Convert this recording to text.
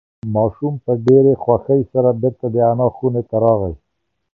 ماشوم په ډېرې خوښۍ سره بیرته د انا خونې ته راغی.